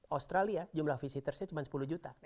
australia jumlah visitorsnya cuma sepuluh juta